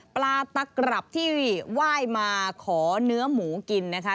ปลาตะกรับที่ไหว้มาขอเนื้อหมูกินนะคะ